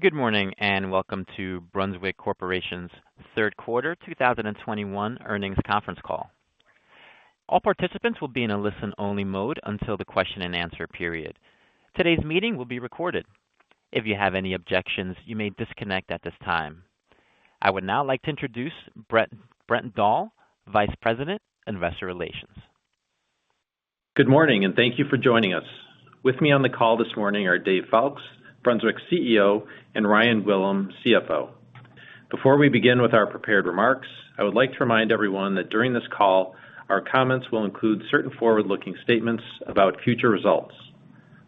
Good morning, and welcome to Brunswick Corporation's third quarter 2021 earnings conference call. All participants will be in a listen-only mode until the question and answer period. Today's meeting will be recorded. If you have any objections, you may disconnect at this time. I would now like to introduce Brent Dahl, Vice President, Investor Relations. Good morning, and thank you for joining us. With me on the call this morning are Dave Foulkes, Brunswick CEO, and Ryan Gwillim, CFO. Before we begin with our prepared remarks, I would like to remind everyone that during this call, our comments will include certain forward-looking statements about future results.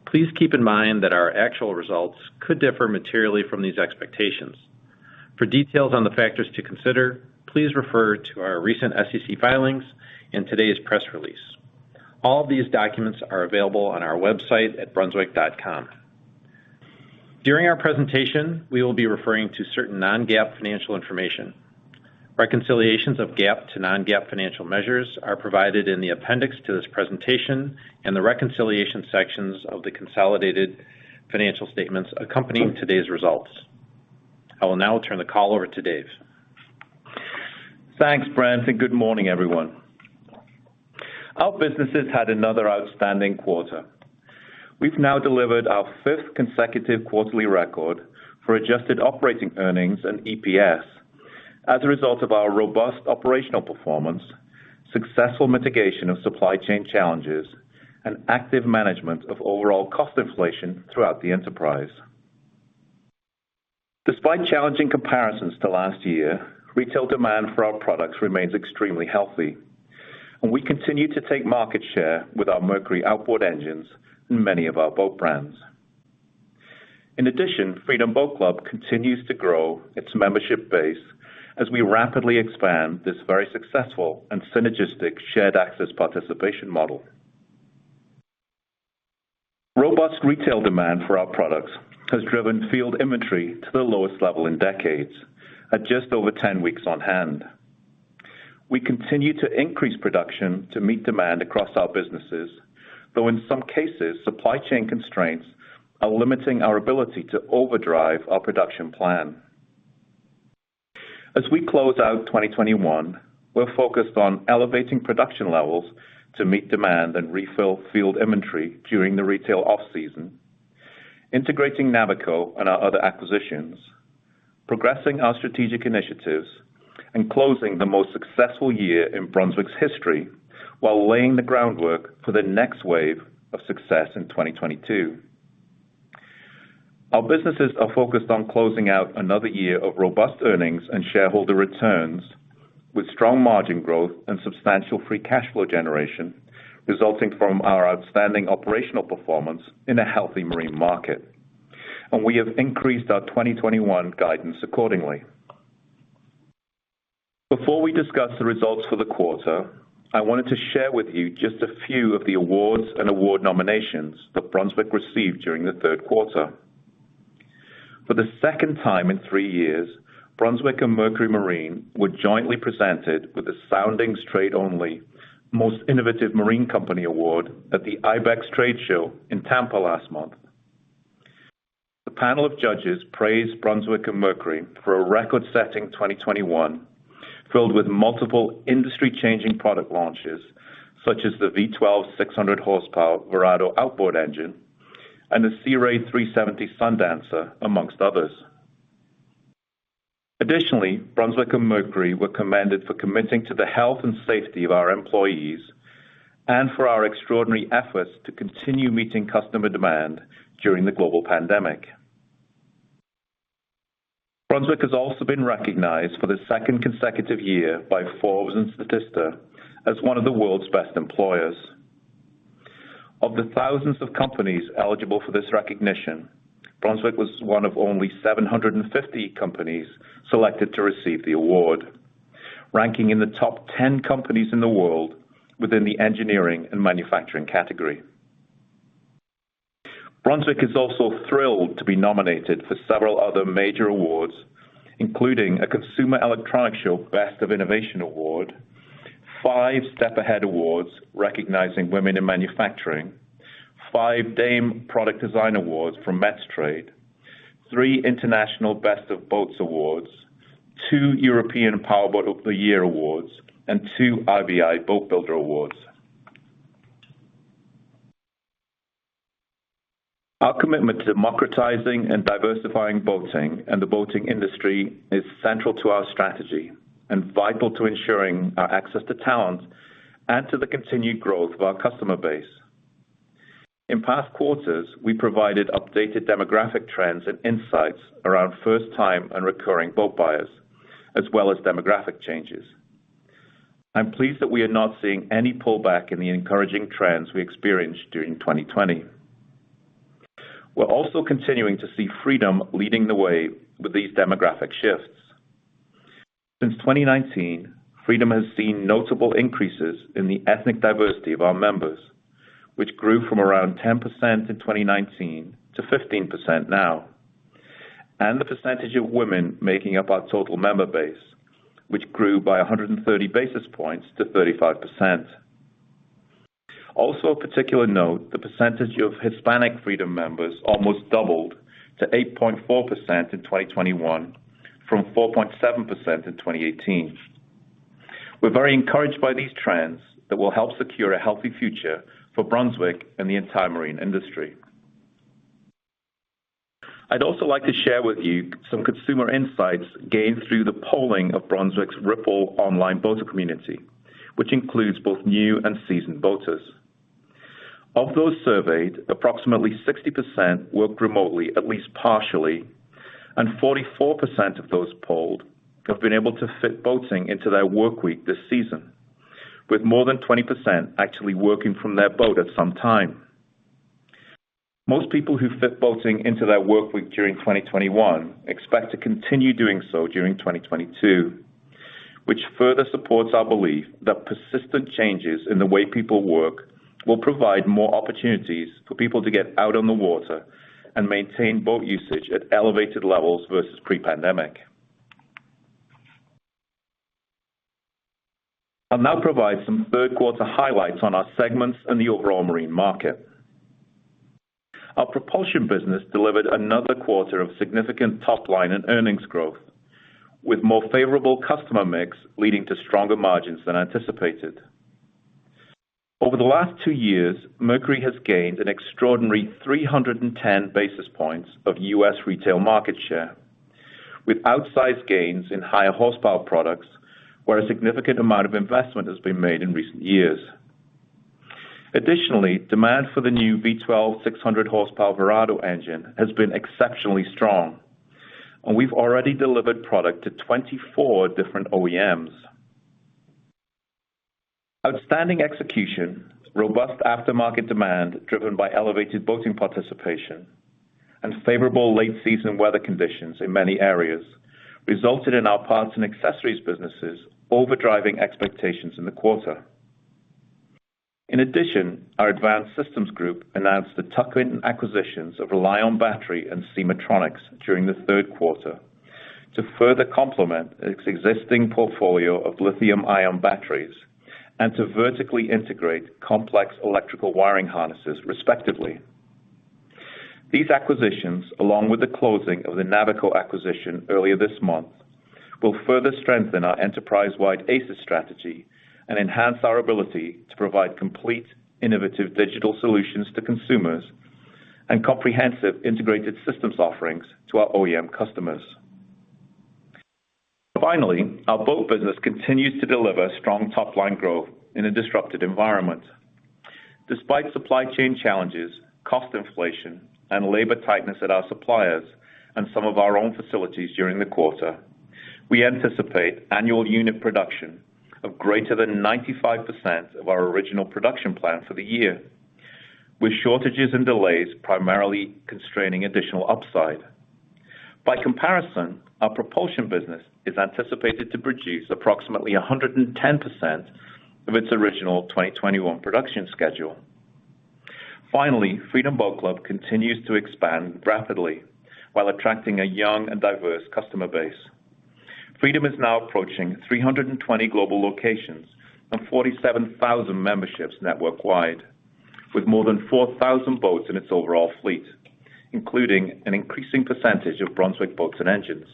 Please keep in mind that our actual results could differ materially from these expectations. For details on the factors to consider, please refer to our recent SEC filings and today's press release. All of these documents are available on our website at brunswick.com. During our presentation, we will be referring to certain non-GAAP financial information. Reconciliations of GAAP to non-GAAP financial measures are provided in the appendix to this presentation and the reconciliation sections of the consolidated financial statements accompanying today's results. I will now turn the call over to Dave. Thanks, Brent, and good morning, everyone. Our businesses had another outstanding quarter. We've now delivered our fifth consecutive quarterly record for adjusted operating earnings and EPS as a result of our robust operational performance, successful mitigation of supply chain challenges, and active management of overall cost inflation throughout the enterprise. Despite challenging comparisons to last year, retail demand for our products remains extremely healthy, and we continue to take market share with our Mercury outboard engines and many of our boat brands. In addition, Freedom Boat Club continues to grow its membership base as we rapidly expand this very successful and synergistic shared access participation model. Robust retail demand for our products has driven field inventory to the lowest level in decades at just over 10 weeks on hand. We continue to increase production to meet demand across our businesses, though in some cases, supply chain constraints are limiting our ability to overdrive our production plan. As we close out 2021, we're focused on elevating production levels to meet demand and refill field inventory during the retail off-season, integrating Navico and our other acquisitions, progressing our strategic initiatives, and closing the most successful year in Brunswick's history while laying the groundwork for the next wave of success in 2022. Our businesses are focused on closing out another year of robust earnings and shareholder returns with strong margin growth and substantial free cash flow generation resulting from our outstanding operational performance in a healthy marine market. We have increased our 2021 guidance accordingly. Before we discuss the results for the quarter, I wanted to share with you just a few of the awards and award nominations that Brunswick received during the third quarter. For the second time in three years, Brunswick and Mercury Marine were jointly presented with the Soundings Trade Only Most Innovative Marine Company Award at the IBEX Trade Show in Tampa last month. The panel of judges praised Brunswick and Mercury for a record-setting 2021, filled with multiple industry-changing product launches, such as the V12 600-horsepower Verado outboard engine and the Sea Ray 370 Sundancer, among others. Additionally, Brunswick and Mercury were commended for committing to the health and safety of our employees and for our extraordinary efforts to continue meeting customer demand during the global pandemic. Brunswick has also been recognized for the second consecutive year by Forbes and Statista as one of the world's best employers. Of the thousands of companies eligible for this recognition, Brunswick was one of only 750 companies selected to receive the award, ranking in the top 10 companies in the world within the engineering and manufacturing category. Brunswick is also thrilled to be nominated for several other major awards, including a Consumer Electronics Show Best of Innovation award, five STEP Ahead awards recognizing women in manufacturing, five DAME Product Design awards from METSTRADE, three International Best of Boats awards, two European Powerboat of the Year awards, and two IBI Boat Builder awards. Our commitment to democratizing and diversifying boating and the boating industry is central to our strategy and vital to ensuring our access to talent and to the continued growth of our customer base. In past quarters, we provided updated demographic trends and insights around first-time and recurring boat buyers, as well as demographic changes. I'm pleased that we are not seeing any pullback in the encouraging trends we experienced during 2020. We're also continuing to see Freedom leading the way with these demographic shifts. Since 2019, Freedom has seen notable increases in the ethnic diversity of our members, which grew from around 10% in 2019 to 15% now. The percentage of women making up our total member base, which grew by 130 basis points to 35%. Also of particular note, the percentage of Hispanic Freedom members almost doubled to 8.4% in 2021 from 4.7% in 2018. We're very encouraged by these trends that will help secure a healthy future for Brunswick and the entire marine industry. I'd also like to share with you some consumer insights gained through the polling of Brunswick's Ripl online boater community, which includes both new and seasoned boaters. Of those surveyed, approximately 60% work remotely, at least partially, and 44% of those polled have been able to fit boating into their workweek this season, with more than 20% actually working from their boat at some time. Most people who fit boating into their workweek during 2021 expect to continue doing so during 2022, which further supports our belief that persistent changes in the way people work will provide more opportunities for people to get out on the water and maintain boat usage at elevated levels versus pre-pandemic. I'll now provide some third quarter highlights on our segments and the overall marine market. Our propulsion business delivered another quarter of significant top line and earnings growth, with more favorable customer mix leading to stronger margins than anticipated. Over the last two years, Mercury has gained an extraordinary 310 basis points of U.S. retail market share, with outsized gains in higher horsepower products where a significant amount of investment has been made in recent years. Additionally, demand for the new V12 600-horsepower Verado engine has been exceptionally strong, and we've already delivered product to 24 different OEMs. Outstanding execution, robust aftermarket demand driven by elevated boating participation, and favorable late season weather conditions in many areas resulted in our parts and accessories businesses over-driving expectations in the quarter. In addition, our Advanced Systems Group announced the tuck-in acquisitions of RELiON Battery and SemahTronix during the third quarter to further complement its existing portfolio of lithium-ion batteries and to vertically integrate complex electrical wiring harnesses, respectively. These acquisitions, along with the closing of the Navico acquisition earlier this month, will further strengthen our enterprise-wide ACES strategy and enhance our ability to provide complete innovative digital solutions to consumers and comprehensive integrated systems offerings to our OEM customers. Finally, our boat business continues to deliver strong top-line growth in a disrupted environment. Despite supply chain challenges, cost inflation, and labor tightness at our suppliers and some of our own facilities during the quarter, we anticipate annual unit production of greater than 95% of our original production plan for the year, with shortages and delays primarily constraining additional upside. By comparison, our propulsion business is anticipated to produce approximately 110% of its original 2021 production schedule. Freedom Boat Club continues to expand rapidly while attracting a young and diverse customer base. Freedom is now approaching 320 global locations and 47,000 memberships network-wide, with more than 4,000 boats in its overall fleet, including an increasing percentage of Brunswick boats and engines.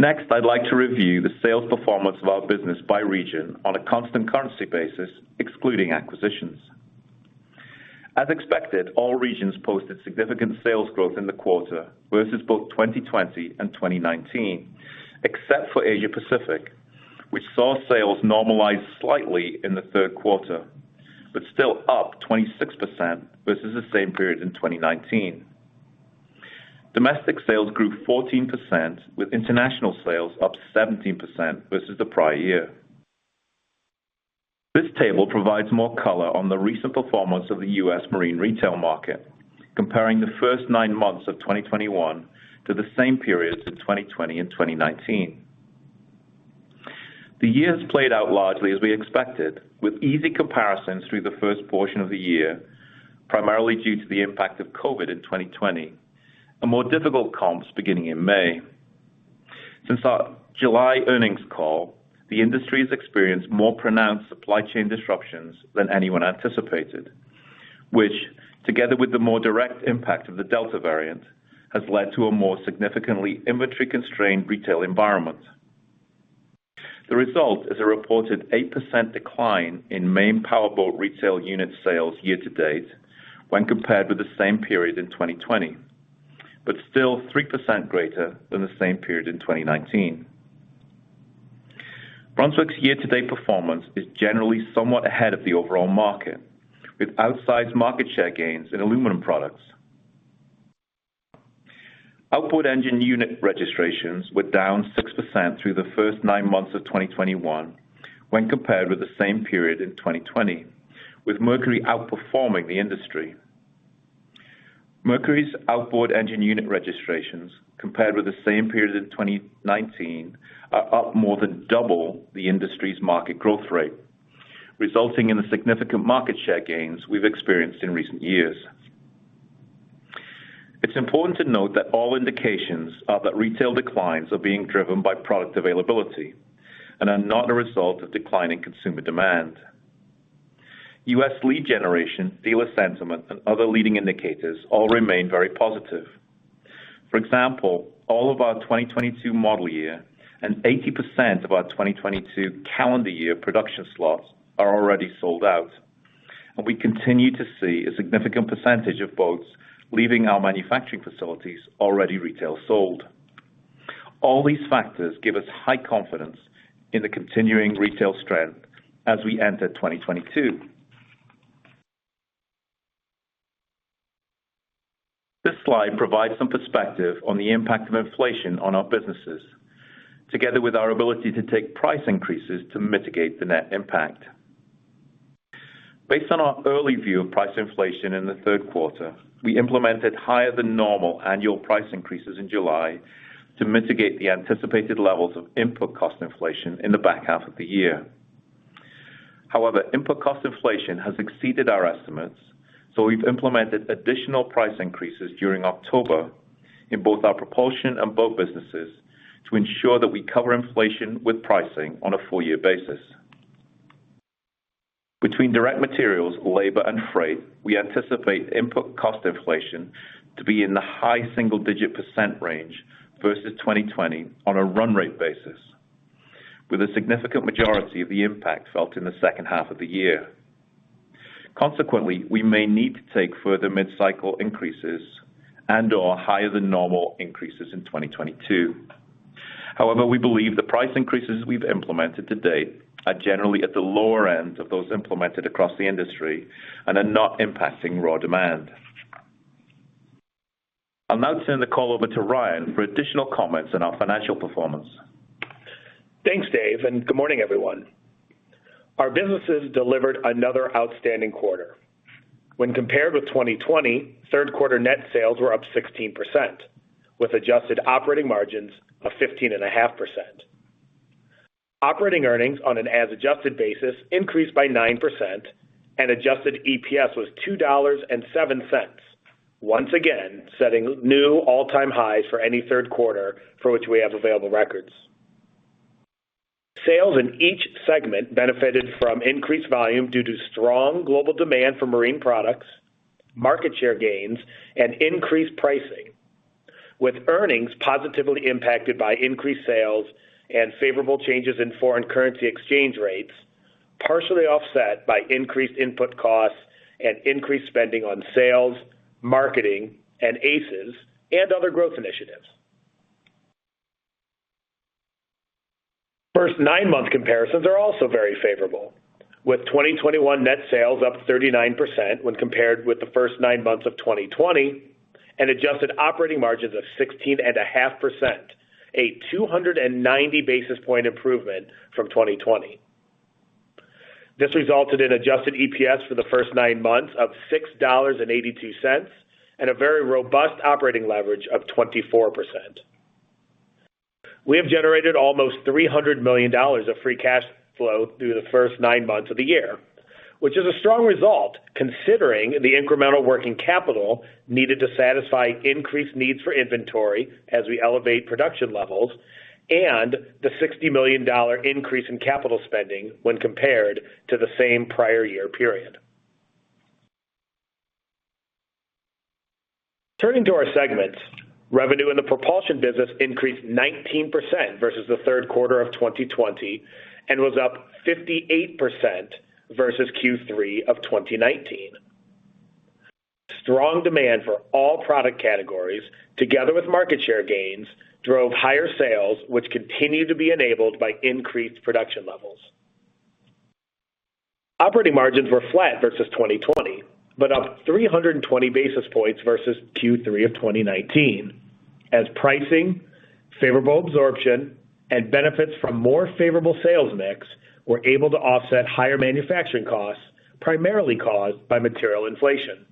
Next, I'd like to review the sales performance of our business by region on a constant currency basis, excluding acquisitions. As expected, all regions posted significant sales growth in the quarter versus both 2020 and 2019, except for Asia Pacific, which saw sales normalize slightly in the third quarter, but still up 26% versus the same period in 2019. Domestic sales grew 14%, with international sales up 17% versus the prior year. This table provides more color on the recent performance of the U.S. marine retail market, comparing the first nine months of 2021 to the same periods in 2020 and 2019. The year has played out largely as we expected, with easy comparisons through the first portion of the year, primarily due to the impact of COVID in 2020, and more difficult comps beginning in May. Since our July earnings call, the industry has experienced more pronounced supply chain disruptions than anyone anticipated, which, together with the more direct impact of the Delta variant, has led to a more significantly inventory-constrained retail environment. The result is a reported 8% decline in main power boat retail unit sales year to date when compared with the same period in 2020, but still 3% greater than the same period in 2019. Brunswick's year-to-date performance is generally somewhat ahead of the overall market, with outsized market share gains in aluminum products. Outboard engine unit registrations were down 6% through the first nine months of 2021 when compared with the same period in 2020, with Mercury outperforming the industry. Mercury's outboard engine unit registrations, compared with the same period in 2019, are up more than double the industry's market growth rate, resulting in the significant market share gains we've experienced in recent years. It's important to note that all indications are that retail declines are being driven by product availability and are not a result of declining consumer demand. U.S. lead generation, dealer sentiment, and other leading indicators all remain very positive. For example, all of our 2022 model year and 80% of our 2022 calendar year production slots are already sold out, and we continue to see a significant percentage of boats leaving our manufacturing facilities already retail sold. All these factors give us high confidence in the continuing retail strength as we enter 2022. This slide provides some perspective on the impact of inflation on our businesses, together with our ability to take price increases to mitigate the net impact. Based on our early view of price inflation in the third quarter, we implemented higher than normal annual price increases in July to mitigate the anticipated levels of input cost inflation in the back half of the year. However, input cost inflation has exceeded our estimates, so we've implemented additional price increases during October in both our propulsion and boat businesses to ensure that we cover inflation with pricing on a full year basis. Between direct materials, labor, and freight, we anticipate input cost inflation to be in the high single-digit percent range versus 2020 on a run rate basis, with a significant majority of the impact felt in the second half of the year. Consequently, we may need to take further mid-cycle increases and/or higher than normal increases in 2022. However, we believe the price increases we've implemented to date are generally at the lower end of those implemented across the industry and are not impacting raw demand. I'll now turn the call over to Ryan for additional comments on our financial performance. Thanks, Dave, and good morning, everyone. Our businesses delivered another outstanding quarter. When compared with 2020, third quarter net sales were up 16% with adjusted operating margins of 15.5%. Operating earnings on an as adjusted basis increased by 9% and adjusted EPS was $2.07 once again setting new all-time highs for any third quarter for which we have available records. Sales in each segment benefited from increased volume due to strong global demand for marine products, market share gains, and increased pricing, with earnings positively impacted by increased sales and favorable changes in foreign currency exchange rates, partially offset by increased input costs and increased spending on sales, marketing, and ACES, and other growth initiatives. First nine-month comparisons are also very favorable, with 2021 net sales up 39% when compared with the first nine months of 2020 and adjusted operating margins of 16.5%, a 290 basis point improvement from 2020. This resulted in adjusted EPS for the first nine months of $6.82 and a very robust operating leverage of 24%. We have generated almost $300 million of free cash flow through the first nine months of the year, which is a strong result considering the incremental working capital needed to satisfy increased needs for inventory as we elevate production levels and the $60 million increase in capital spending when compared to the same prior year period. Turning to our segments, revenue in the propulsion business increased 19% versus the third quarter of 2020 and was up 58% versus Q3 of 2019. Strong demand for all product categories, together with market share gains, drove higher sales, which continue to be enabled by increased production levels. Operating margins were flat versus 2020, but up 320 basis points versus Q3 of 2019 as pricing, favorable absorption, and benefits from more favorable sales mix were able to offset higher manufacturing costs, primarily caused by material inflation.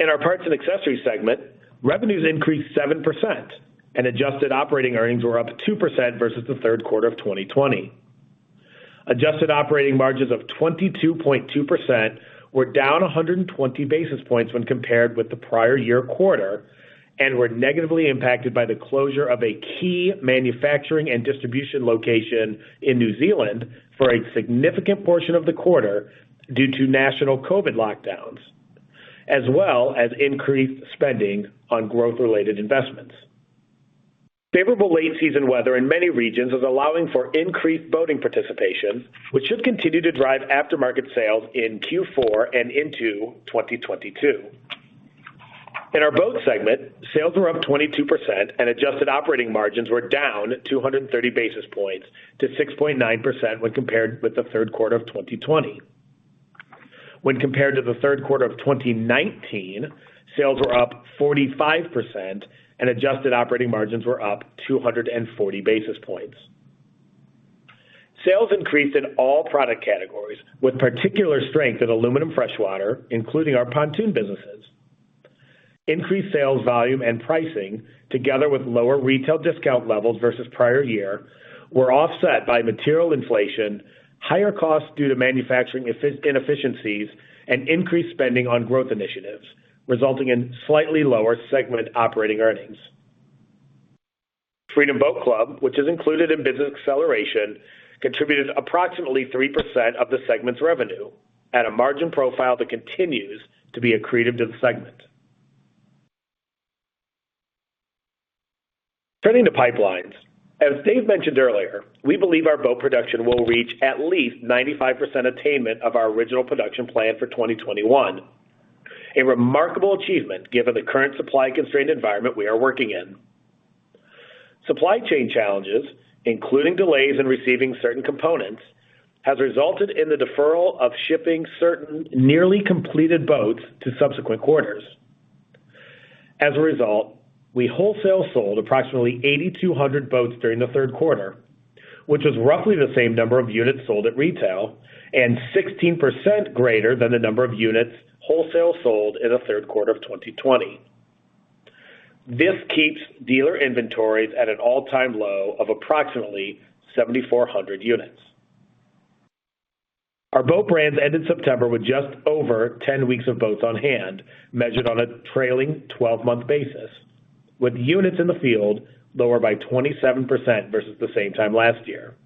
In our parts and accessories segment, revenues increased 7% and adjusted operating earnings were up 2% versus the third quarter of 2020. Adjusted operating margins of 22.2% were down 120 basis points when compared with the prior year quarter and were negatively impacted by the closure of a key manufacturing and distribution location in New Zealand for a significant portion of the quarter due to national COVID lockdowns, as well as increased spending on growth-related investments. Favorable late season weather in many regions is allowing for increased boating participation, which should continue to drive aftermarket sales in Q4 and into 2022. In our boat segment, sales were up 22% and adjusted operating margins were down 230 basis points to 6.9% when compared with the third quarter of 2020. When compared to the third quarter of 2019, sales were up 45% and adjusted operating margins were up 240 basis points. Sales increased in all product categories with particular strength in aluminum freshwater, including our pontoon businesses. Increased sales volume and pricing, together with lower retail discount levels versus prior year, were offset by material inflation, higher costs due to manufacturing inefficiencies, and increased spending on growth initiatives, resulting in slightly lower segment operating earnings. Freedom Boat Club, which is included in Business Acceleration, contributed approximately 3% of the segment's revenue at a margin profile that continues to be accretive to the segment. Turning to pipelines. As Dave mentioned earlier, we believe our boat production will reach at least 95% attainment of our original production plan for 2021. A remarkable achievement given the current supply constrained environment we are working in. Supply chain challenges, including delays in receiving certain components, has resulted in the deferral of shipping certain nearly completed boats to subsequent quarters. As a result, we wholesale sold approximately 8,200 boats during the third quarter, which is roughly the same number of units sold at retail and 16% greater than the number of units wholesale sold in the third quarter of 2020. This keeps dealer inventories at an all-time low of approximately 7,400 units. Our boat brands ended September with just over 10 weeks of boats on hand, measured on a trailing 12-month basis, with units in the field lower by 27% versus the same time last year.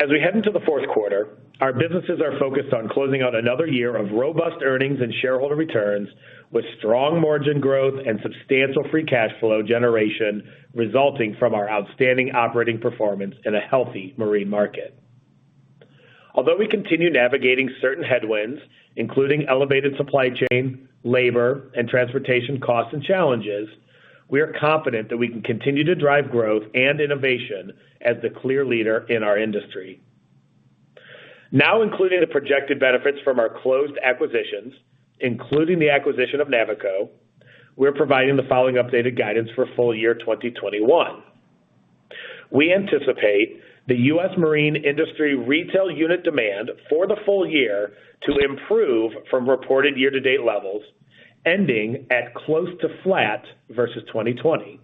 As we head into the fourth quarter, our businesses are focused on closing out another year of robust earnings and shareholder returns with strong margin growth and substantial free cash flow generation resulting from our outstanding operating performance in a healthy marine market. Although we continue navigating certain headwinds, including elevated supply chain, labor, and transportation costs and challenges, we are confident that we can continue to drive growth and innovation as the clear leader in our industry. Now, including the projected benefits from our closed acquisitions, including the acquisition of Navico, we're providing the following updated guidance for full year 2021. We anticipate the U.S. Marine industry retail unit demand for the full year to improve from reported year-to-date levels, ending at close to flat versus 2020.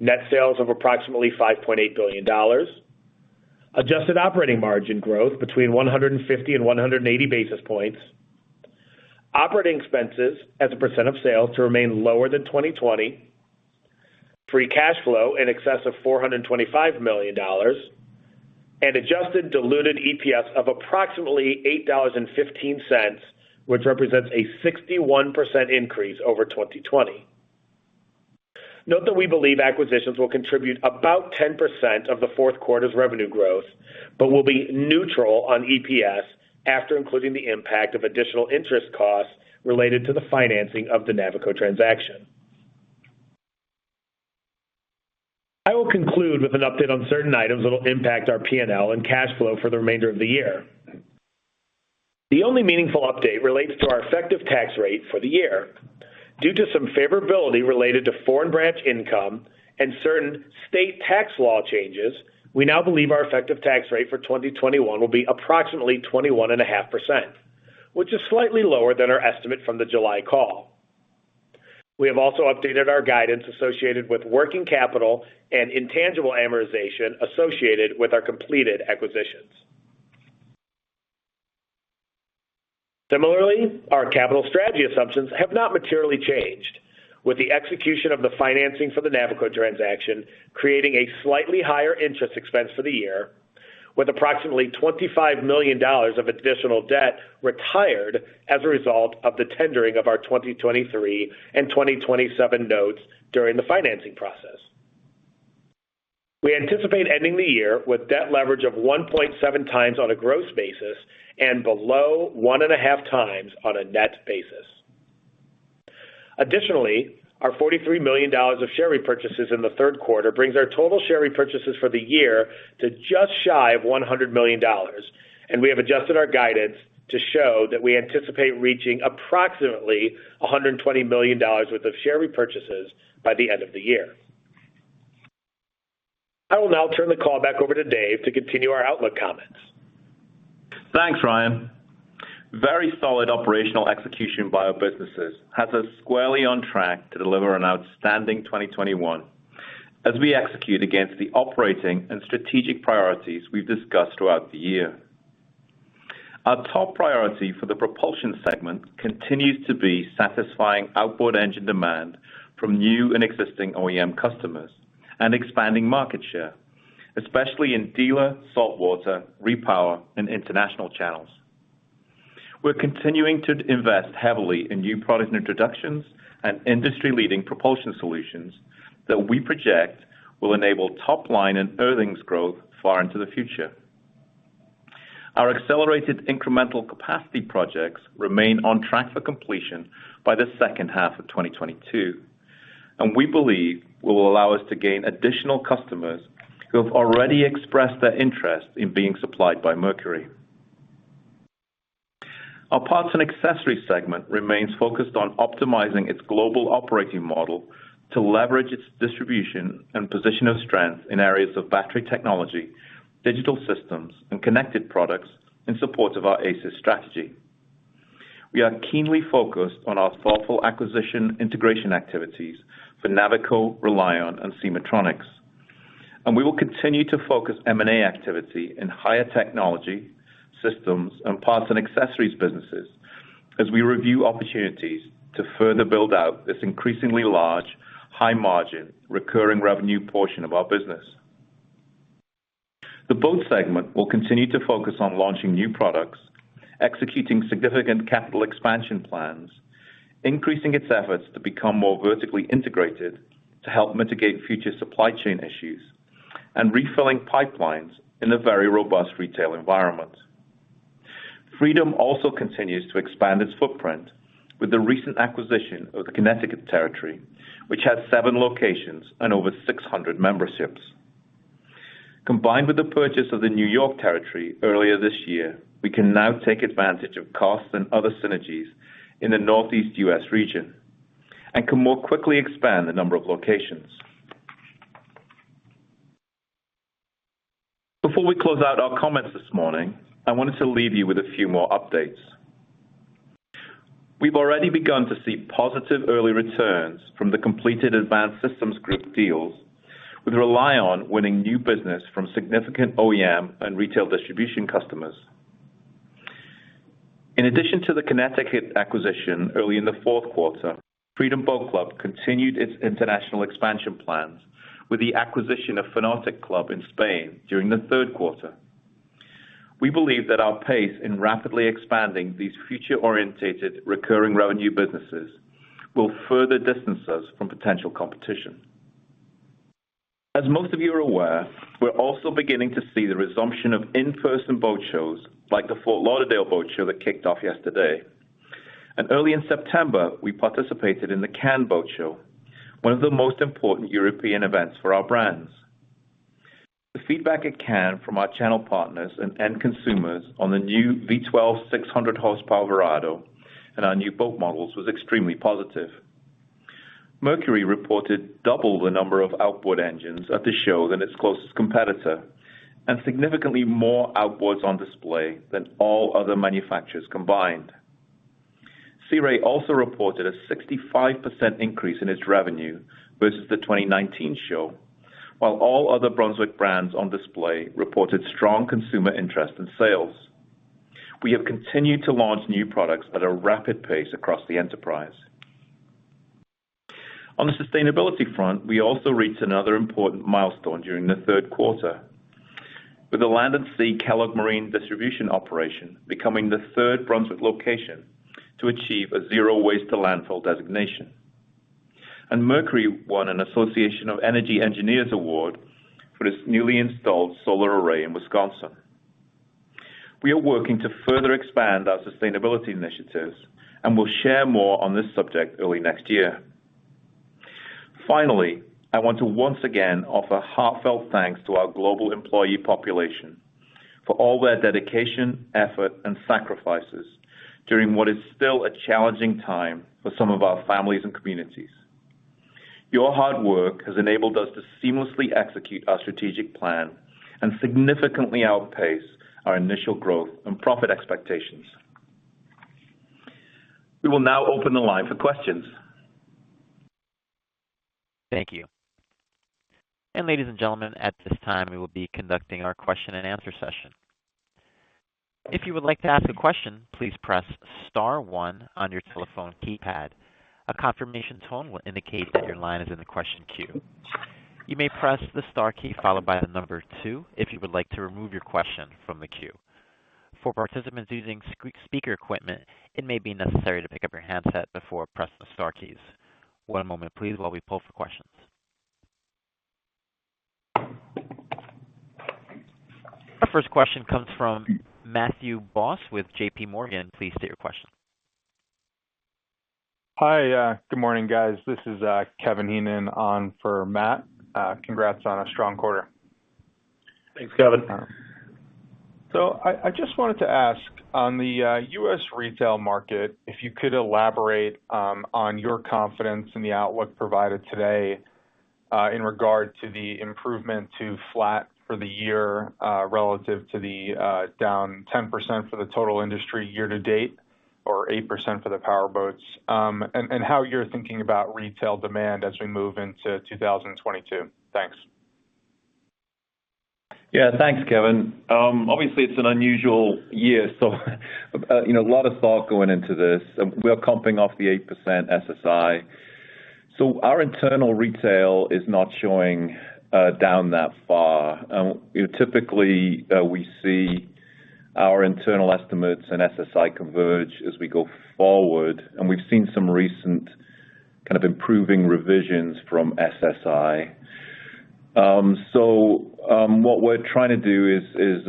Net sales of approximately $5.8 billion. Adjusted operating margin growth between 150 and 180 basis points. Operating expenses as a percent of sales to remain lower than 2020. Free cash flow in excess of $425 million. Adjusted diluted EPS of approximately $8.15, which represents a 61% increase over 2020. Note that we believe acquisitions will contribute about 10% of the fourth quarter's revenue growth, but will be neutral on EPS after including the impact of additional interest costs related to the financing of the Navico transaction. I will conclude with an update on certain items that will impact our P&L and cash flow for the remainder of the year. The only meaningful update relates to our effective tax rate for the year. Due to some favorability related to foreign branch income and certain state tax law changes, we now believe our effective tax rate for 2021 will be approximately 21.5%, which is slightly lower than our estimate from the July call. We have also updated our guidance associated with working capital and intangible amortization associated with our completed acquisitions. Similarly, our capital strategy assumptions have not materially changed. With the execution of the financing for the Navico transaction, creating a slightly higher interest expense for the year with approximately $25 million of additional debt retired as a result of the tendering of our 2023 and 2027 notes during the financing process. We anticipate ending the year with debt leverage of 1.7x on a gross basis and below 1.5x on a net basis. Additionally, our $43 million of share repurchases in the third quarter brings our total share repurchases for the year to just shy of $100 million, and we have adjusted our guidance to show that we anticipate reaching approximately $120 million worth of share repurchases by the end of the year. I will now turn the call back over to Dave to continue our outlook comments. Thanks, Ryan. Very solid operational execution by our businesses has us squarely on track to deliver an outstanding 2021 as we execute against the operating and strategic priorities we've discussed throughout the year. Our top priority for the propulsion segment continues to be satisfying outboard engine demand from new and existing OEM customers and expanding market share, especially in dealer, saltwater, repower, and international channels. We're continuing to invest heavily in new product introductions and industry-leading propulsion solutions that we project will enable top line and earnings growth far into the future. Our accelerated incremental capacity projects remain on track for completion by the second half of 2022, and we believe will allow us to gain additional customers who have already expressed their interest in being supplied by Mercury. Our parts and accessories segment remains focused on optimizing its global operating model to leverage its distribution and position of strength in areas of battery technology, digital systems, and connected products in support of our ACES strategy. We are keenly focused on our thoughtful acquisition integration activities for Navico, RELiON, and SemahTronix. We will continue to focus M&A activity in higher technology systems and parts and accessories businesses as we review opportunities to further build out this increasingly large, high margin, recurring revenue portion of our business. The Boat segment will continue to focus on launching new products, executing significant capital expansion plans, increasing its efforts to become more vertically integrated to help mitigate future supply chain issues, and refilling pipelines in a very robust retail environment. Freedom also continues to expand its footprint with the recent acquisition of the Connecticut territory, which has 7 locations and over 600 memberships. Combined with the purchase of the New York territory earlier this year, we can now take advantage of costs and other synergies in the Northeast U.S. region and can more quickly expand the number of locations. Before we close out our comments this morning, I wanted to leave you with a few more updates. We've already begun to see positive early returns from the completed Advanced Systems Group deals, with RELiON winning new business from significant OEM and retail distribution customers. In addition to the Connecticut acquisition early in the fourth quarter, Freedom Boat Club continued its international expansion plans with the acquisition of Fanautic Club in Spain during the third quarter. We believe that our pace in rapidly expanding these future-oriented recurring revenue businesses will further distance us from potential competition. As most of you are aware, we're also beginning to see the resumption of in-person boat shows like the Fort Lauderdale Boat Show that kicked off yesterday. Early in September, we participated in the Cannes Boat Show, one of the most important European events for our brands. The feedback at Cannes from our channel partners and end consumers on the new V12 600-horsepower Verado and our new boat models was extremely positive. Mercury reported double the number of outboard engines at the show than its closest competitor, and significantly more outboards on display than all other manufacturers combined. Sea Ray also reported a 65% increase in its revenue versus the 2019 show, while all other Brunswick brands on display reported strong consumer interest in sales. We have continued to launch new products at a rapid pace across the enterprise. On the sustainability front, we also reached another important milestone during the third quarter, with the Land 'N' Sea/Kellogg Marine Distribution operation becoming the third Brunswick location to achieve a zero-waste-to-landfill designation. Mercury won an Association of Energy Engineers award for its newly installed solar array in Wisconsin. We are working to further expand our sustainability initiatives and will share more on this subject early next year. Finally, I want to once again offer heartfelt thanks to our global employee population for all their dedication, effort, and sacrifices during what is still a challenging time for some of our families and communities. Your hard work has enabled us to seamlessly execute our strategic plan and significantly outpace our initial growth and profit expectations. We will now open the line for questions. Thank you. Ladies and gentlemen, at this time, we will be conducting our question and answer session. If you would like to ask a question, please press star one on your telephone keypad. A confirmation tone will indicate that your line is in the question queue. You may press the star key followed by the number two if you would like to remove your question from the queue. For participants using speakerphone equipment, it may be necessary to pick up your handset before pressing the star keys. One moment, please, while we poll for questions. Our first question comes from Matthew Boss with JP Morgan. Please state your question. Hi. Good morning, guys. This is Kevin Heenan on for Matt. Congrats on a strong quarter. Thanks, Kevin. I just wanted to ask on the U.S. retail market, if you could elaborate on your confidence in the outlook provided today in regard to the improvement to flat for the year relative to the down 10% for the total industry year-to-date or 8% for the power boats and how you're thinking about retail demand as we move into 2022. Thanks. Yeah. Thanks, Kevin. Obviously it's an unusual year, so you know, a lot of thought going into this. We're comping off the 8% SSI. So our internal retail is not showing down that far. You know, typically, we see our internal estimates and SSI converge as we go forward, and we've seen some recent kind of improving revisions from SSI. So what we're trying to do is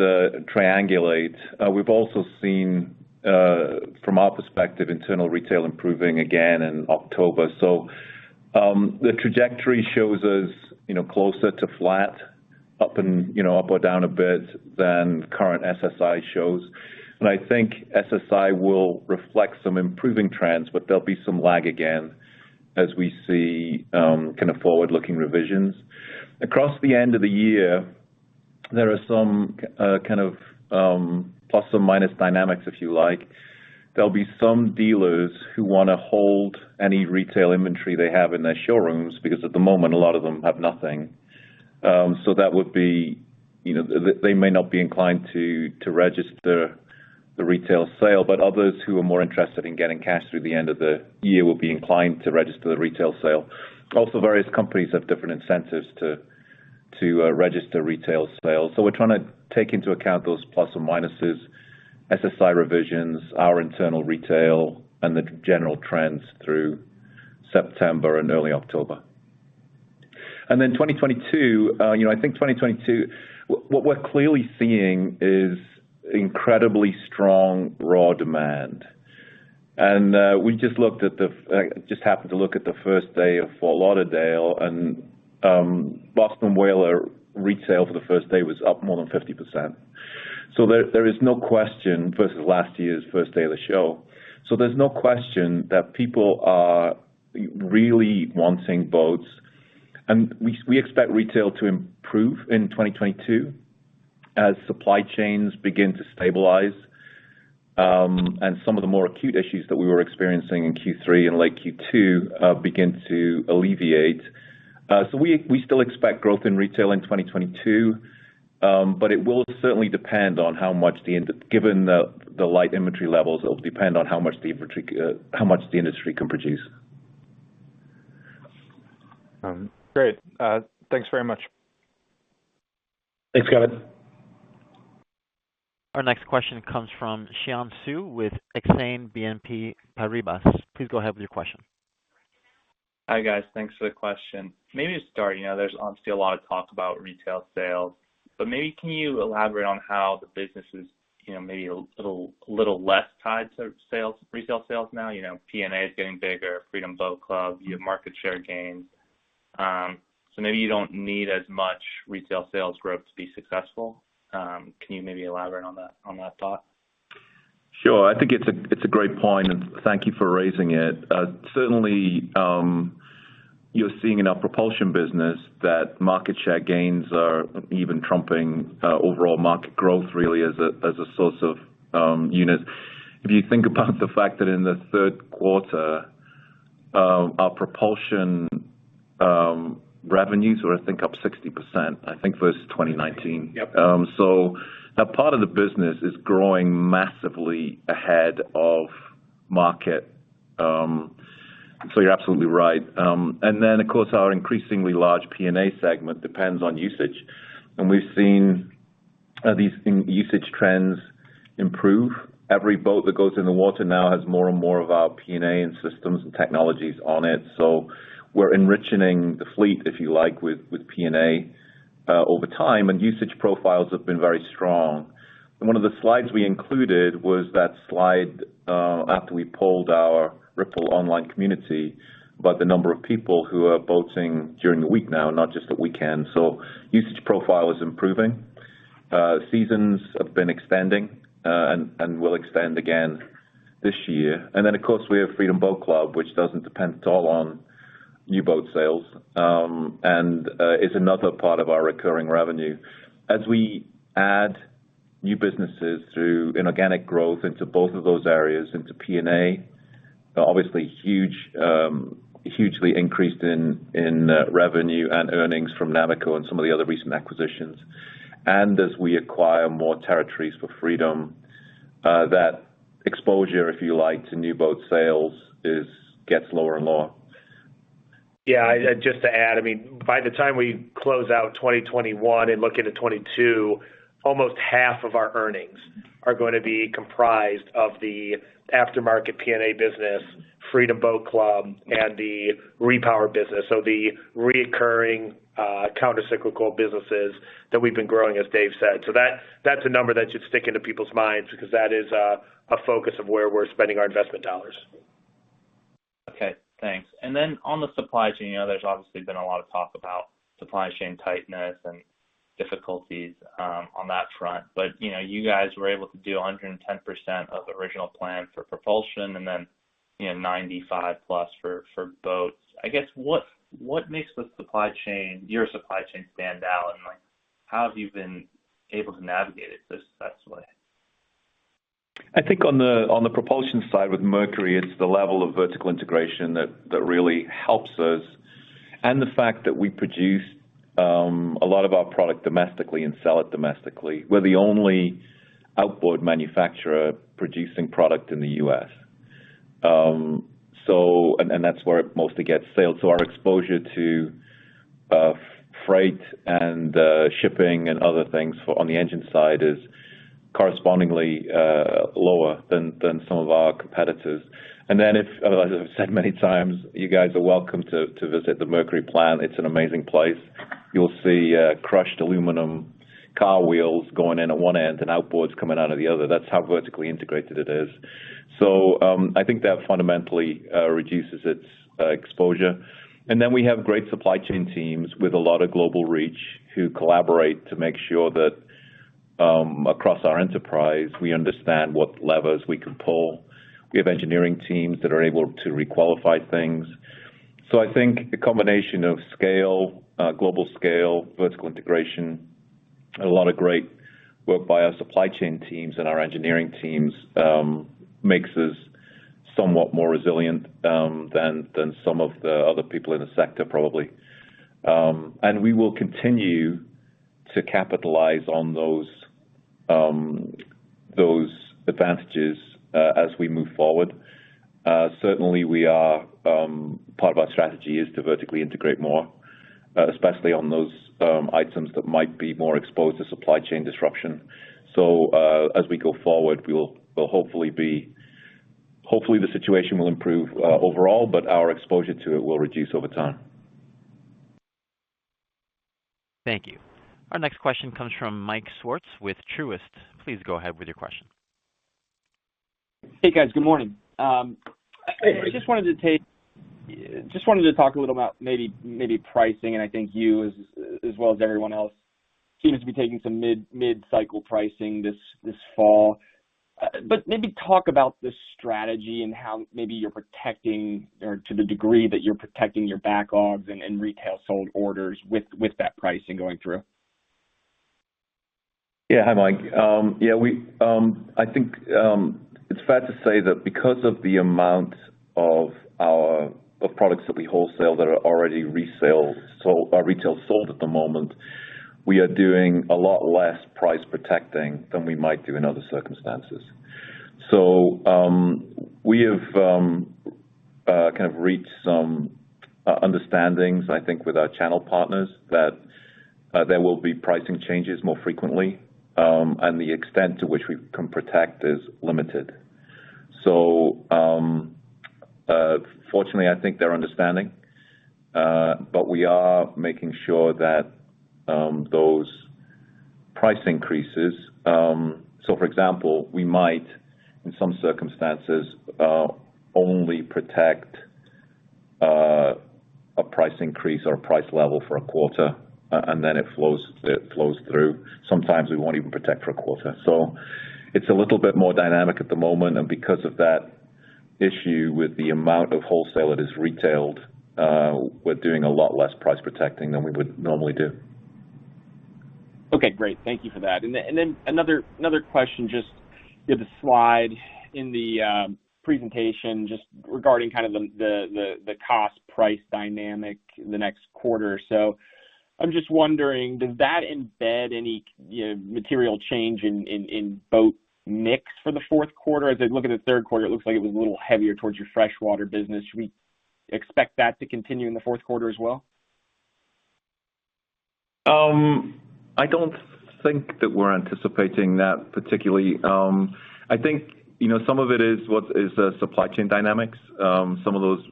triangulate. We've also seen from our perspective, internal retail improving again in October. So the trajectory shows us, you know, closer to flat to up and, you know, up or down a bit than current SSI shows. I think SSI will reflect some improving trends, but there'll be some lag again as we see kind of forward-looking revisions. Across the end of the year, there are some kind of plus or minus dynamics, if you like. There'll be some dealers who wanna hold any retail inventory they have in their showrooms because at the moment, a lot of them have nothing. That would be, you know, they may not be inclined to register the retail sale, but others who are more interested in getting cash through the end of the year will be inclined to register the retail sale. Also, various companies have different incentives to register retail sales. We're trying to take into account those plus or minuses, SSI revisions, our internal retail, and the general trends through September and early October. Then 2022, you know, I think what we're clearly seeing is incredibly strong raw demand. We just happened to look at the first day of Fort Lauderdale and Boston Whaler retail for the first day was up more than 50%. There is no question versus last year's first day of the show. There's no question that people are really wanting boats. We expect retail to improve in 2022 as supply chains begin to stabilize and some of the more acute issues that we were experiencing in Q3 and late Q2 begin to alleviate. We still expect growth in retail in 2022, but it will certainly depend, given the light inventory levels, on how much the industry can produce. Great. Thanks very much. Thanks, Kevin. Our next question comes from Xian Siew with Exane BNP Paribas. Please go ahead with your question. Hi, guys. Thanks for the question. Maybe to start, you know, there's obviously a lot of talk about retail sales, but maybe can you elaborate on how the business is, you know, maybe a little less tied to retail sales now? You know, P&A is getting bigger, Freedom Boat Club, you have market share gains. Maybe you don't need as much retail sales growth to be successful. Can you maybe elaborate on that thought? Sure. I think it's a great point, and thank you for raising it. Certainly, you're seeing in our propulsion business that market share gains are even trumping overall market growth really as a source of units. If you think about the fact that in the third quarter, our propulsion revenues were I think up 60%, I think versus 2019. Yep. That part of the business is growing massively ahead of market. You're absolutely right. Of course, our increasingly large P&A segment depends on usage. We've seen these usage trends improve. Every boat that goes in the water now has more and more of our P&A and systems and technologies on it. We're enriching the fleet, if you like, with P&A over time, and usage profiles have been very strong. One of the slides we included was that slide after we polled our Ripl online community about the number of people who are boating during the week now, not just the weekend. Usage profile is improving. Seasons have been extending and will extend again this year. Of course, we have Freedom Boat Club, which doesn't depend at all on new boat sales, and is another part of our recurring revenue. As we add new businesses through inorganic growth into both of those areas, into P&A, obviously hugely increased in revenue and earnings from Navico and some of the other recent acquisitions. As we acquire more territories for Freedom, that exposure, if you like, to new boat sales is getting lower and lower. Yeah. Just to add, I mean, by the time we close out 2021 and look into 2022, almost half of our earnings are gonna be comprised of the aftermarket P&A business, Freedom Boat Club, and the repower business. The recurring, countercyclical businesses that we've been growing, as Dave said. That, that's a number that should stick into people's minds because that is a focus of where we're spending our investment dollars. Okay, thanks. Then on the supply chain, you know, there's obviously been a lot of talk about supply chain tightness and difficulties on that front. You know, you guys were able to do 110% of original plan for propulsion and then, you know, 95%+ for boats. I guess what makes the supply chain, your supply chain stand out? Like, how have you been able to navigate it so successfully? I think on the propulsion side with Mercury, it's the level of vertical integration that really helps us, and the fact that we produce a lot of our product domestically and sell it domestically. We're the only outboard manufacturer producing product in the U.S. That's where it mostly gets sold. Our exposure to freight and shipping and other things on the engine side is correspondingly lower than some of our competitors. As I've said many times, you guys are welcome to visit the Mercury plant. It's an amazing place. You'll see crushed aluminum car wheels going in at one end and outboards coming out of the other. That's how vertically integrated it is. I think that fundamentally reduces its exposure. We have great supply chain teams with a lot of global reach who collaborate to make sure that, across our enterprise, we understand what levers we can pull. We have engineering teams that are able to re-qualify things. I think a combination of scale, global scale, vertical integration, a lot of great work by our supply chain teams and our engineering teams, makes us somewhat more resilient than some of the other people in the sector, probably. We will continue to capitalize on those advantages as we move forward. Certainly we are. Part of our strategy is to vertically integrate more, especially on those items that might be more exposed to supply chain disruption. As we go forward, hopefully the situation will improve overall, but our exposure to it will reduce over time. Thank you. Our next question comes from Mike Swartz with Truist. Please go ahead with your question. Hey, guys. Good morning. Hey. Just wanted to talk a little about maybe pricing, and I think you as well as everyone else seem to be taking some mid-cycle pricing this fall. Maybe talk about the strategy and how maybe you're protecting or to the degree that you're protecting your backlogs and retail sold orders with that pricing going through. Yeah. Hi, Mike. I think it's fair to say that because of the amount of our products that we wholesale that are already resold or retail sold at the moment, we are doing a lot less price protecting than we might do in other circumstances. We have kind of reached some understandings, I think, with our channel partners, that there will be pricing changes more frequently, and the extent to which we can protect is limited. Fortunately, I think they're understanding, but we are making sure that those price increases. For example, we might, in some circumstances, only protect a price increase or a price level for a quarter, and then it flows through. Sometimes we won't even protect for a quarter. It's a little bit more dynamic at the moment. Because of that issue with the amount of wholesale that is retailed, we're doing a lot less price protecting than we would normally do. Okay, great. Thank you for that. Then another question. Just you had the slide in the presentation just regarding kind of the cost price dynamic the next quarter. So I'm just wondering, does that embed any, you know, material change in boat mix for the fourth quarter? As I look at the third quarter, it looks like it was a little heavier towards your freshwater business. Should we expect that to continue in the fourth quarter as well? I don't think that we're anticipating that particularly. I think, you know, some of it is what is the supply chain dynamics. Some of those,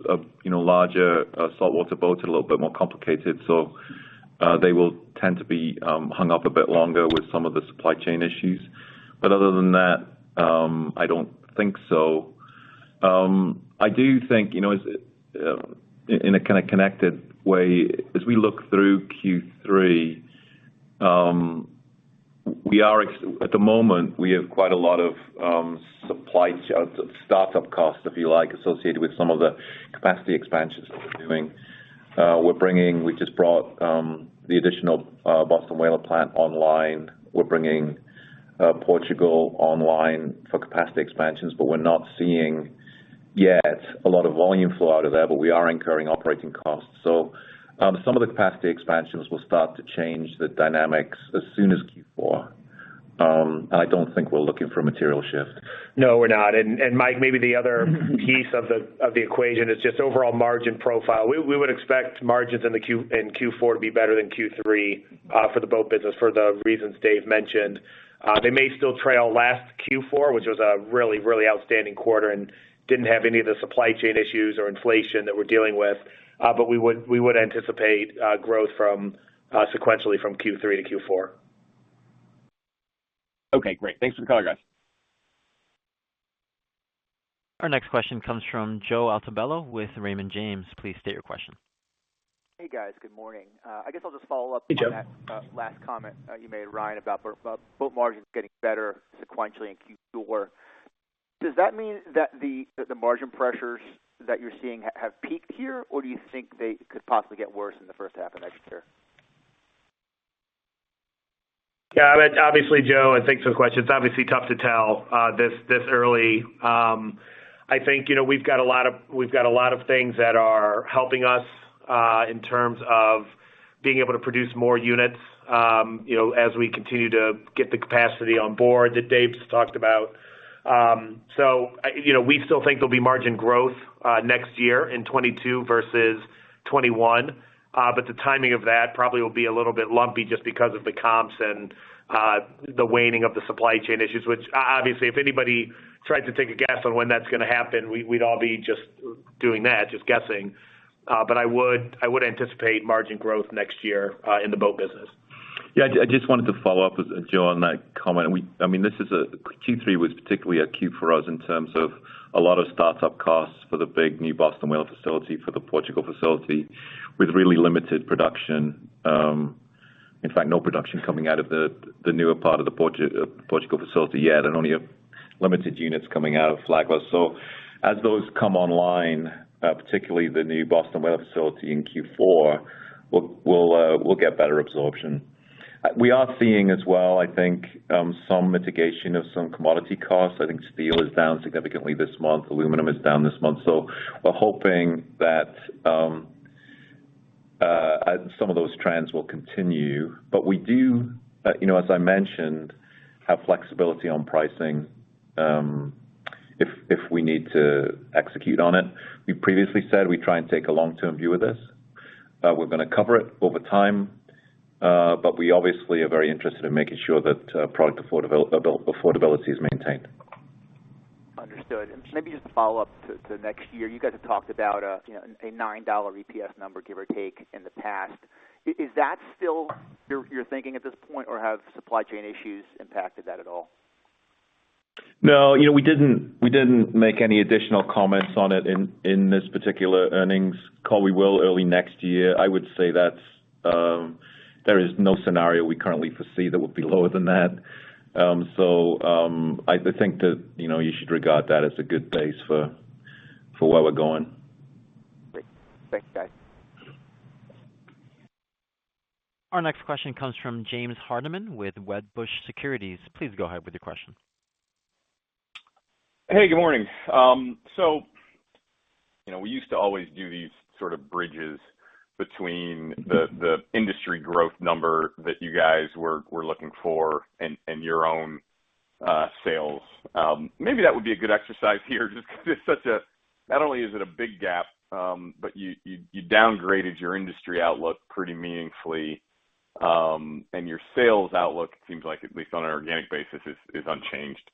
you know, larger, saltwater boats are a little bit more complicated, so they will tend to be hung up a bit longer with some of the supply chain issues. But other than that, I don't think so. I do think, you know, as in a kinda connected way, as we look through Q3, at the moment we have quite a lot of startup costs, if you like, associated with some of the capacity expansions that we're doing. We just brought the additional Boston Whaler plant online. We're bringing Portugal online for capacity expansions, but we're not seeing yet a lot of volume flow out of there, but we are incurring operating costs. Some of the capacity expansions will start to change the dynamics as soon as Q4. I don't think we're looking for a material shift. No, we're not. Mike, maybe the other piece of the equation is just overall margin profile. We would expect margins in Q4 to be better than Q3 for the boat business for the reasons Dave mentioned. They may still trail last Q4, which was a really outstanding quarter and didn't have any of the supply chain issues or inflation that we're dealing with. We would anticipate growth sequentially from Q3 to Q4. Okay, great. Thanks for the color, guys. Our next question comes from Joe Altobello with Raymond James. Please state your question. Hey, guys. Good morning. I guess I'll just follow up. Hey, Joe. On that last comment you made, Ryan, about boat margins getting better sequentially in Q4. Does that mean that the margin pressures that you're seeing have peaked here, or do you think they could possibly get worse in the first half of next year? Yeah, that's obvious, Joe, and thanks for the question. It's obvious tough to tell this early. I think, you know, we've got a lot of things that are helping us in terms of being able to produce more units, you know, as we continue to get the capacity on board that Dave's talked about. So, you know, we still think there'll be margin growth next year in 2022 versus 2021. But the timing of that probably will be a little bit lumpy just because of the comps and the waning of the supply chain issues, which obviously, if anybody tried to take a guess on when that's gonna happen, we'd all be just doing that, just guessing. I would anticipate margin growth next year, in the boat business. Yeah. I just wanted to follow up with Joe on that comment. I mean, Q3 was particularly a quarter for us in terms of a lot of startup costs for the big new Boston Whaler facility, for the Portugal facility with really limited production. In fact, no production coming out of the newer part of the Portugal facility yet and only a limited units coming out of Flagler. As those come online, particularly the new Boston Whaler facility in Q4, we'll get better absorption. We are seeing as well, I think, some mitigation of some commodity costs. I think steel is down significantly this month. Aluminum is down this month. We're hoping that some of those trends will continue. We do, you know, as I mentioned, have flexibility on pricing, if we need to execute on it. We previously said we try and take a long-term view of this. We're gonna cover it over time, but we obviously are very interested in making sure that product affordability is maintained. Understood. Maybe just to follow up to next year, you guys have talked about a, you know, a $9 EPS number, give or take, in the past. Is that still your thinking at this point, or have supply chain issues impacted that at all? No. You know, we didn't make any additional comments on it in this particular earnings call. We will early next year. I would say that there is no scenario we currently foresee that would be lower than that. I think that, you know, you should regard that as a good base for where we're going. Great. Thanks, guys. Our next question comes from James Hardiman with Wedbush Securities. Please go ahead with your question. Hey, good morning. You know, we used to always do these sort of bridges between the industry growth number that you guys were looking for and your own sales. Maybe that would be a good exercise here just because it's such a big gap, not only is it a big gap, but you downgraded your industry outlook pretty meaningfully, and your sales outlook seems like, at least on an organic basis, is unchanged.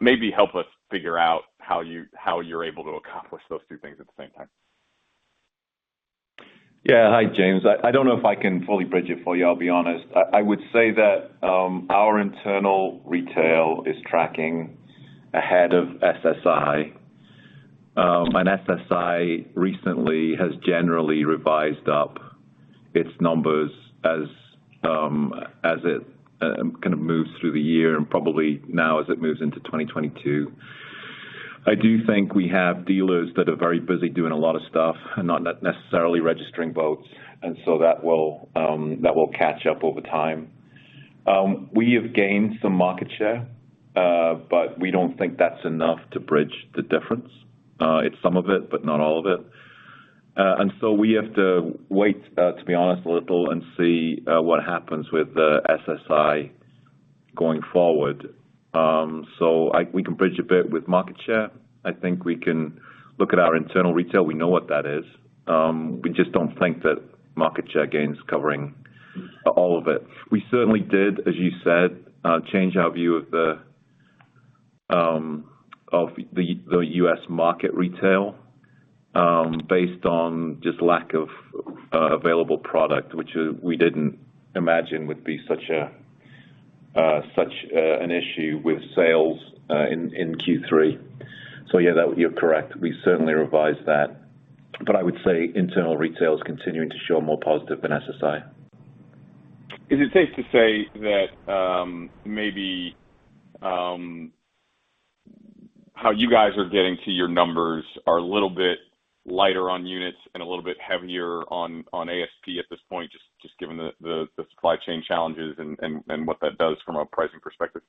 Maybe help us figure out how you're able to accomplish those two things at the same time. Yeah. Hi, James. I don't know if I can fully bridge it for you, I'll be honest. I would say that our internal retail is tracking ahead of SSI. SSI recently has generally revised up its numbers as it kind of moves through the year and probably now as it moves into 2022. I do think we have dealers that are very busy doing a lot of stuff and not necessarily registering boats, and so that will catch up over time. We have gained some market share, but we don't think that's enough to bridge the difference. It's some of it, but not all of it. We have to wait, to be honest, a little and see what happens with the SSI going forward. We can bridge a bit with market share. I think we can look at our internal retail. We know what that is. We just don't think that market share gain is covering all of it. We certainly did, as you said, change our view of the U.S. market retail based on just lack of available product, which we didn't imagine would be such an issue with sales in Q3. You're correct. We certainly revised that, but I would say internal retail is continuing to show more positive than SSI. Is it safe to say that, maybe, how you guys are getting to your numbers are a little bit lighter on units and a little bit heavier on ASP at this point, just given the supply chain challenges and what that does from a pricing perspective?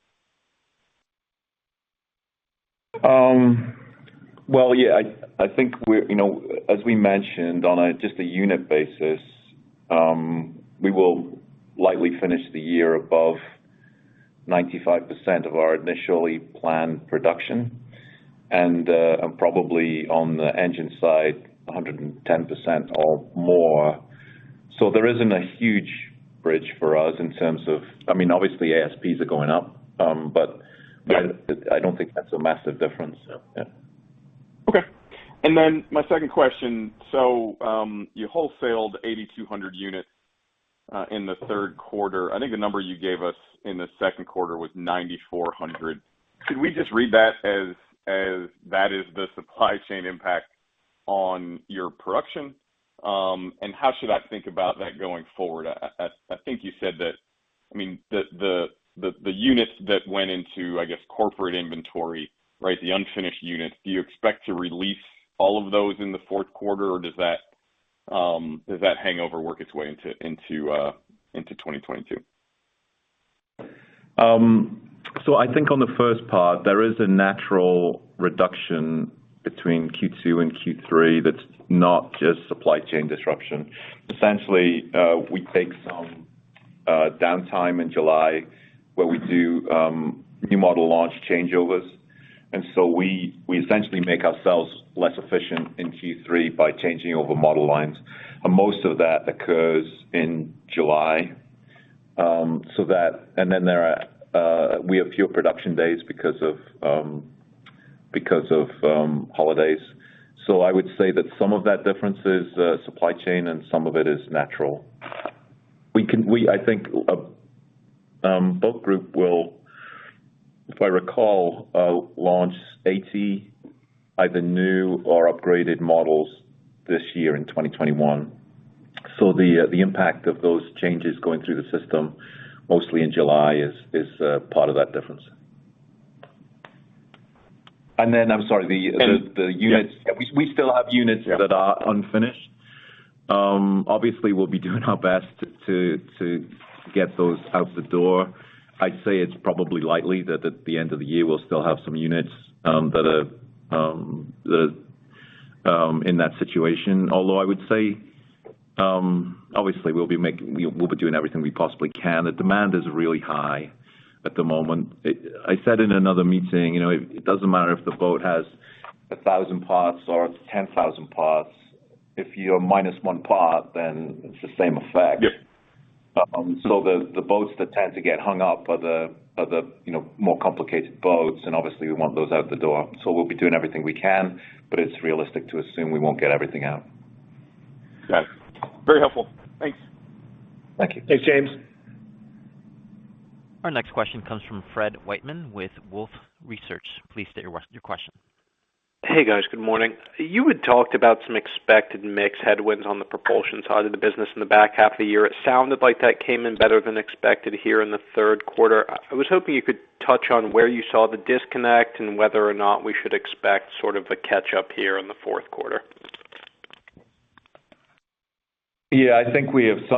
I think we're, you know, as we mentioned, on just a unit basis, we will likely finish the year above 95% of our initially planned production and probably on the engine side, 110% or more. There isn't a huge bridge for us in terms of, I mean, obviously, ASPs are going up, but I don't think that's a massive difference. Okay. My second question. You wholesaled 8,200 units in the third quarter. I think the number you gave us in the second quarter was 9,400 units. Should we just read that as that is the supply chain impact on your production? How should I think about that going forward? I think you said that, I mean, the units that went into, I guess, corporate inventory, right, the unfinished units, do you expect to release all of those in the fourth quarter, or does that hangover work its way into 2022? I think on the first part, there is a natural reduction between Q2 and Q3 that's not just supply chain disruption. Essentially, we take some downtime in July where we do new model launch changeovers. We essentially make ourselves less efficient in Q3 by changing over model lines. Most of that occurs in July. We have fewer production days because of holidays. I would say that some of that difference is supply chain, and some of it is natural. I think Boat Group will, if I recall, launch 80 either new or upgraded models this year in 2021. The impact of those changes going through the system, mostly in July, is part of that difference. I'm sorry. We still have units that are unfinished. Obviously, we'll be doing our best to get those out the door. I'd say it's probably likely that at the end of the year, we'll still have some units that are in that situation. Although I would say, obviously, we'll be doing everything we possibly can. The demand is really high at the moment. I said in another meeting, you know, it doesn't matter if the boat has 1,000 parts or 10,000 parts. If you're minus one part, then it's the same effect. Yeah. So the boats that tend to get hung up are the more complicated boats, and obviously we want those out the door. We'll be doing everything we can, but it's realistic to assume we won't get everything out. Got it. Very helpful. Thanks. Thank you. Thanks, James. Our next question comes from Fred Wightman with Wolfe Research. Please state your question. Hey, guys. Good morning. You had talked about some expected mix headwinds on the propulsion side of the business in the back half of the year. It sounded like that came in better than expected here in the third quarter. I was hoping you could touch on where you saw the disconnect and whether or not we should expect sort of a catch-up here in the fourth quarter. Yeah.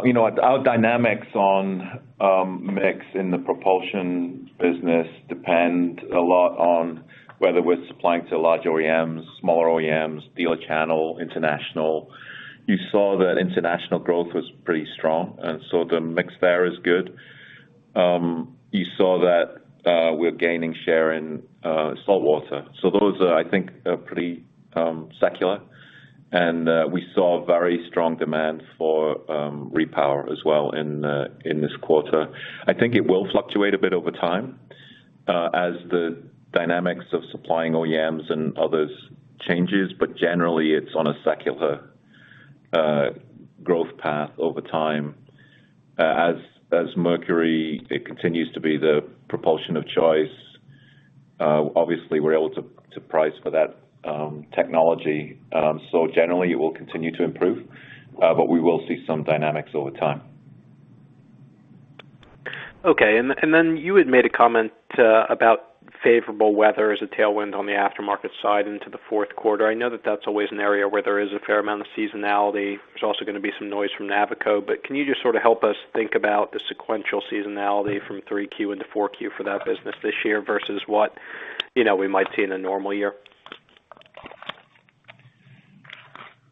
You know what, our dynamics on mix in the propulsion business depend a lot on whether we're supplying to large OEMs, smaller OEMs, dealer channel, international. You saw that international growth was pretty strong, and the mix there is good. You saw that we're gaining share in saltwater. Those, I think, are pretty secular. We saw very strong demand for repower as well in this quarter. I think it will fluctuate a bit over time as the dynamics of supplying OEMs and others changes, but generally it's on a secular growth path over time. As Mercury, it continues to be the propulsion of choice, obviously we're able to price for that technology. Generally it will continue to improve, but we will see some dynamics over time. Okay. Then you had made a comment about favorable weather as a tailwind on the aftermarket side into the fourth quarter. I know that that's always an area where there is a fair amount of seasonality. There's also gonna be some noise from Navico. Can you just sort of help us think about the sequential seasonality from Q3 into Q4 for that business this year versus what, you know, we might see in a normal year?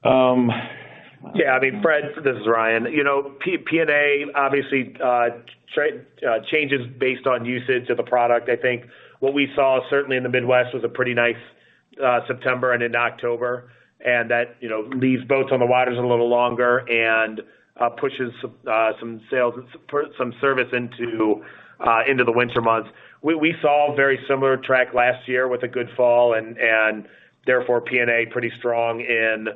Yeah. I mean, Fred, this is Ryan. You know, P&A obviously changes based on usage of the product. I think what we saw certainly in the Midwest was a pretty nice September and in October, and that, you know, leaves boats on the waters a little longer and pushes some sales, some service into the winter months. We saw a very similar track last year with a good fall and therefore P&A pretty strong in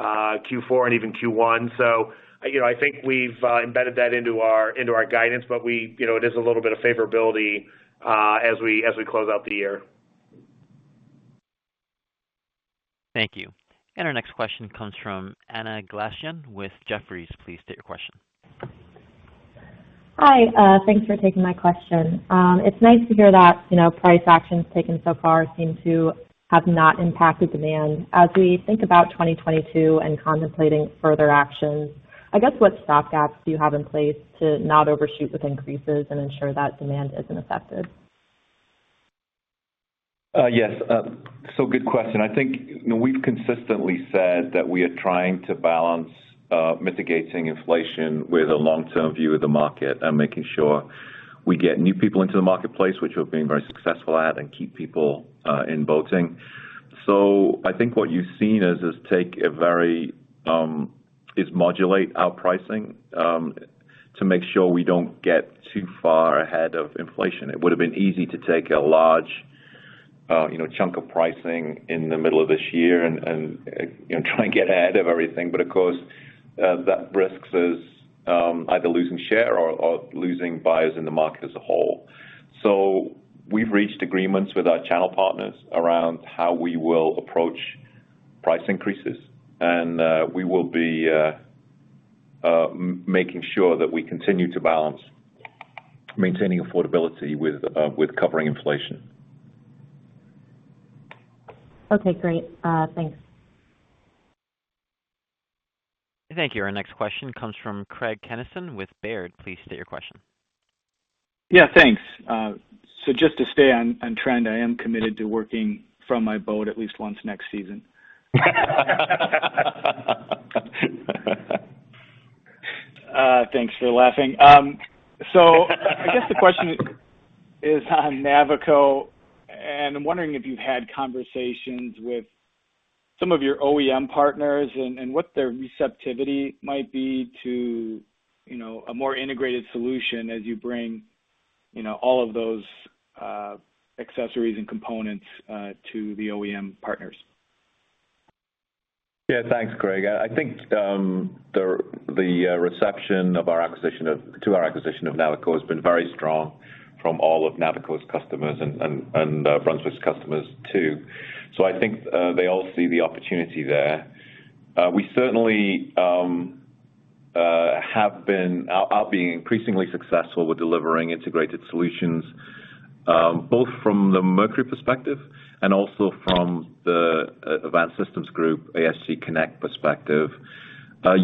Q4 and even Q1. So, you know, I think we've embedded that into our guidance, but you know, it is a little bit of favorability as we close out the year. Thank you. Our next question comes from Anna Glaessgen with Jefferies. Please state your question. Hi. Thanks for taking my question. It's nice to hear that, you know, price actions taken so far seem to have not impacted demand. As we think about 2022 and contemplating further actions, I guess what stopgaps do you have in place to not overshoot with increases and ensure that demand isn't affected? Yes. Good question. I think, you know, we've consistently said that we are trying to balance mitigating inflation with a long-term view of the market and making sure we get new people into the marketplace, which we've been very successful at, and keep people in boating. I think what you've seen is us take a very modulate our pricing to make sure we don't get too far ahead of inflation. It would have been easy to take a large, you know, chunk of pricing in the middle of this year and you know, try and get ahead of everything. Of course, that risks us either losing share or losing buyers in the market as a whole. We've reached agreements with our channel partners around how we will approach price increases, and we will be making sure that we continue to balance maintaining affordability with covering inflation. Okay, great. Thanks. Thank you. Our next question comes from Craig Kennison with Baird. Please state your question. Yeah, thanks. So just to stay on trend, I am committed to working from my boat at least once next season. Thanks for laughing. I guess the question is on Navico, and I'm wondering if you've had conversations with some of your OEM partners and what their receptivity might be to, you know, a more integrated solution as you bring, you know, all of those accessories and components to the OEM partners. Yeah. Thanks, Craig. I think the reception of our acquisition of Navico has been very strong from all of Navico's customers and Brunswick's customers too. I think they all see the opportunity there. We certainly are being increasingly successful with delivering integrated solutions both from the Mercury perspective and also from the Advanced Systems Group, ASG Connect perspective. I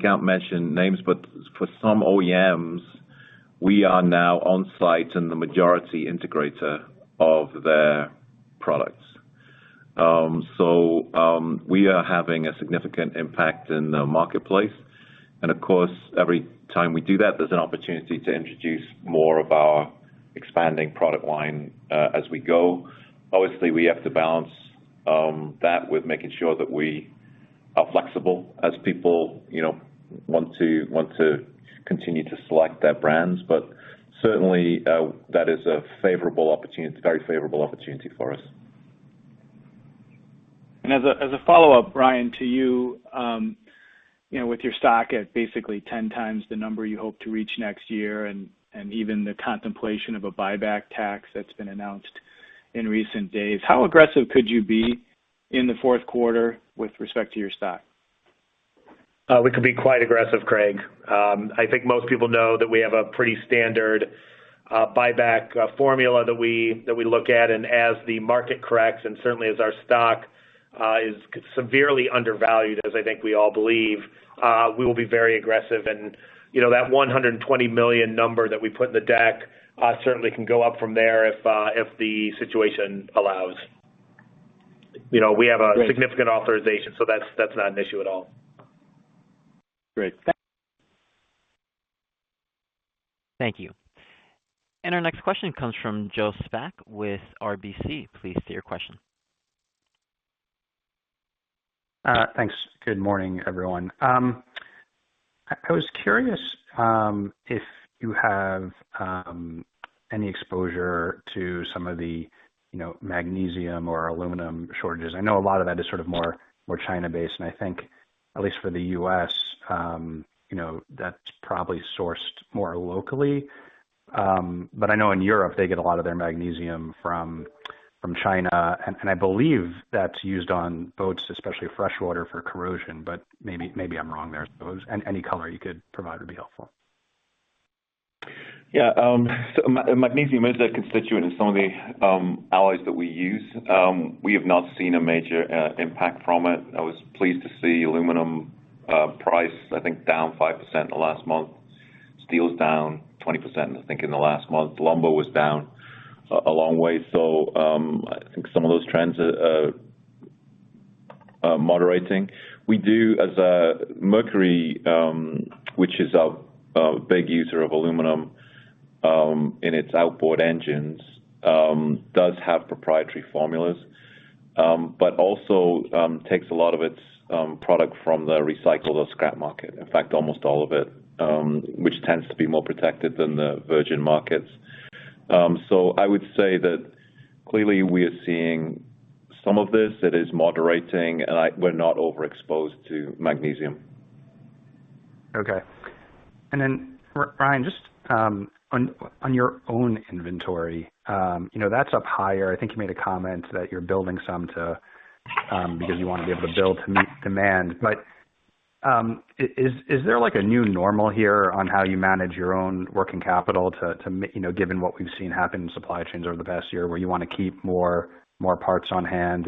can't mention names, but for some OEMs, we are now on site and the majority integrator of their products. We are having a significant impact in the marketplace. Of course, every time we do that, there's an opportunity to introduce more of our expanding product line as we go. Obviously, we have to balance that with making sure that we are flexible as people, you know, want to continue to select their brands. Certainly, that is a favorable opportunity. It's a very favorable opportunity for us. As a follow-up, Ryan, to you, with your stock at basically 10 times the number you hope to reach next year and even the contemplation of a buyback tax that's been announced in recent days, how aggressive could you be in the fourth quarter with respect to your stock? We could be quite aggressive, Craig. I think most people know that we have a pretty standard buyback formula that we look at. As the market corrects, and certainly as our stock is severely undervalued, as I think we all believe, we will be very aggressive. You know, that $120 million number that we put in the deck certainly can go up from there if the situation allows. You know, we have a- Great. ...significant authorization, so that's not an issue at all. Great. Thanks. Thank you. Our next question comes from Joe Spak with RBC. Please state your question. Thanks. Good morning, everyone. I was curious if you have any exposure to some of the, you know, magnesium or aluminum shortages. I know a lot of that is sort of more China-based, and I think at least for the U.S., you know, that's probably sourced more locally. But I know in Europe, they get a lot of their magnesium from China, and I believe that's used on boats, especially freshwater for corrosion, but maybe I'm wrong there. Any color you could provide would be helpful. Yeah. Magnesium is a constituent in some of the alloys that we use. We have not seen a major impact from it. I was pleased to see aluminum price, I think, down 5% the last month. Steel's down 20%, I think, in the last month. Lumber was down a long way. I think some of those trends are moderating. We do as Mercury, which is a big user of aluminum in its outboard engines, does have proprietary formulas, but also takes a lot of its product from the recycled or scrap market. In fact, almost all of it, which tends to be more protected than the virgin markets. I would say that clearly we are seeing some of this, it is moderating, we're not overexposed to magnesium. Okay. Then Ryan, just on your own inventory, you know, that's up higher. I think you made a comment that you're building some too, because you want to be able to build to demand. Is there like a new normal here on how you manage your own working capital to manage, you know, given what we've seen happen in supply chains over the past year, where you wanna keep more parts on hand?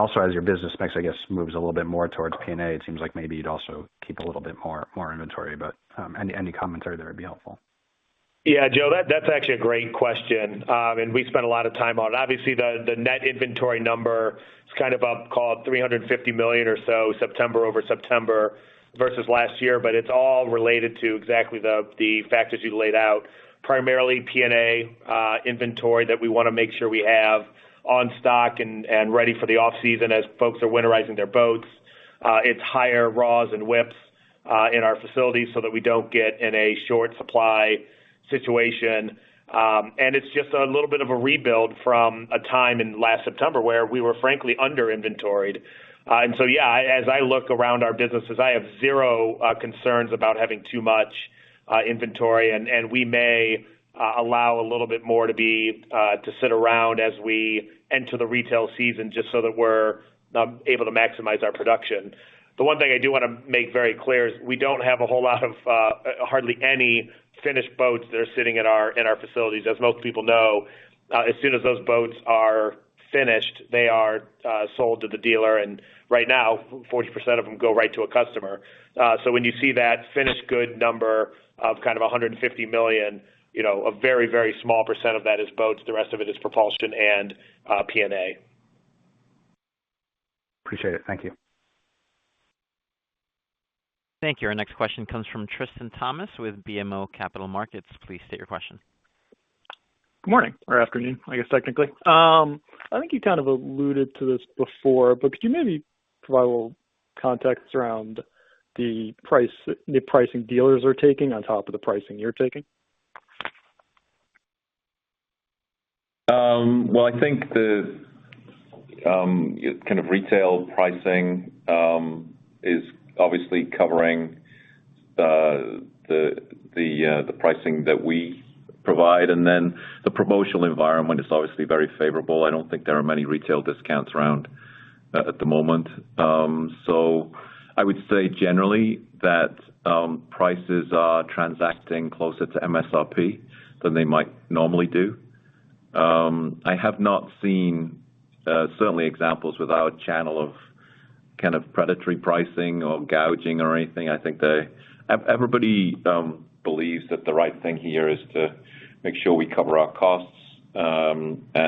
Also as your business mix, I guess, moves a little bit more towards P&A, it seems like maybe you'd also keep a little bit more inventory. Any commentary there would be helpful. Yeah. Joe, that's actually a great question. We spent a lot of time on it. Obviously, the net inventory number is kind of up, call it $350 million or so, September over September versus last year. It's all related to exactly the factors you laid out, primarily P&A inventory that we wanna make sure we have on stock and ready for the off-season as folks are winterizing their boats. It's higher raws and WIPs in our facilities so that we don't get in a short supply situation. It's just a little bit of a rebuild from a time in last September where we were, frankly, under inventoried. As I look around our businesses, I have zero concerns about having too much inventory, and we may allow a little bit more to sit around as we enter the retail season, just so that we're able to maximize our production. The one thing I do wanna make very clear is we don't have a whole lot of, hardly any finished boats that are sitting in our facilities. As most people know, as soon as those boats are finished, they are sold to the dealer. Right now, 40% of them go right to a customer. When you see that finished goods number of kind of $150 million, you know, a very, very small percent of that is boats, the rest of it is propulsion and P&A. Appreciate it. Thank you. Thank you. Our next question comes from Tristan Thomas-Martin with BMO Capital Markets. Please state your question. Good morning or afternoon, I guess, technically. I think you kind of alluded to this before, but could you maybe provide a little context around the price, the pricing dealers are taking on top of the pricing you're taking? Well, I think the kind of retail pricing is obviously covering the pricing that we provide, and then the promotional environment is obviously very favorable. I don't think there are many retail discounts around at the moment. I would say generally that prices are transacting closer to MSRP than they might normally do. I have not seen, certainly, examples with our channel of kind of predatory pricing or gouging or anything. I think everybody believes that the right thing here is to make sure we cover our costs and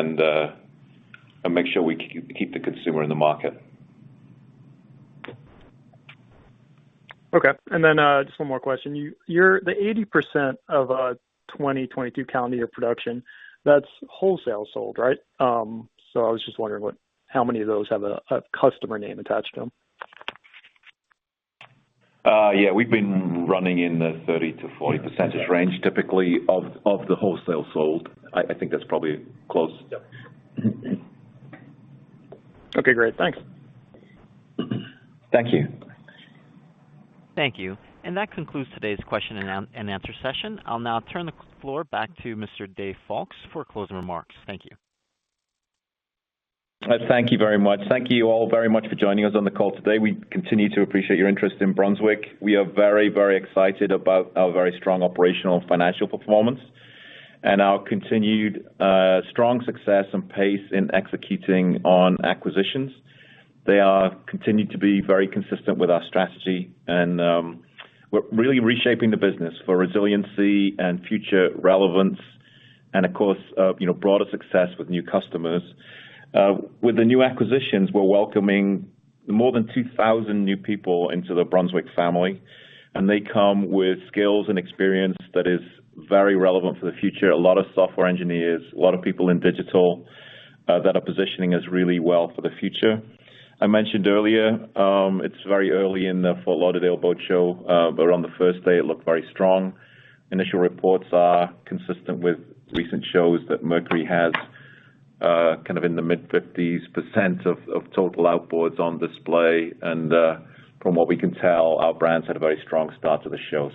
make sure we keep the consumer in the market. Okay. Just one more question. You're the 80% of 2022 calendar year production that's wholesale sold, right? I was just wondering how many of those have a customer name attached to them? Yeah, we've been running in the 30%-40% range typically of the wholesale sold. I think that's probably close. Yeah. Okay, great. Thanks. Thank you. Thank you. That concludes today's question and answer session. I'll now turn the floor back to Mr. Dave Foulkes for closing remarks. Thank you. Thank you very much. Thank you all very much for joining us on the call today. We continue to appreciate your interest in Brunswick. We are very, very excited about our very strong operational financial performance and our continued, strong success and pace in executing on acquisitions. They continue to be very consistent with our strategy, and, we're really reshaping the business for resiliency and future relevance and of course, you know, broader success with new customers. With the new acquisitions, we're welcoming more than 2,000 new people into the Brunswick family, and they come with skills and experience that is very relevant for the future. A lot of software engineers, a lot of people in digital, that are positioning us really well for the future. I mentioned earlier, it's very early in the Fort Lauderdale Boat Show, but on the first day, it looked very strong. Initial reports are consistent with recent shows that Mercury has kind of in the mid-50s percent of total outboards on display. From what we can tell, our brands had a very strong start to the show.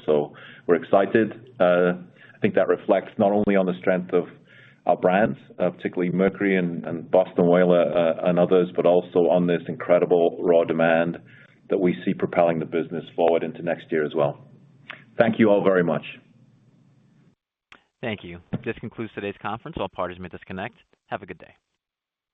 We're excited. I think that reflects not only on the strength of our brands, particularly Mercury and Boston Whaler and others, but also on this incredible raw demand that we see propelling the business forward into next year as well. Thank you all very much. Thank you. This concludes today's conference. All parties may disconnect. Have a good day.